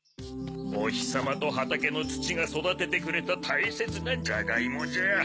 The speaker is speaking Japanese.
おひさまとはたけのつちがそだててくれたたいせつなジャガイモじゃ。